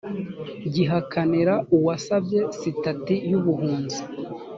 gihakanira uwasabye sitati y ubuhunzi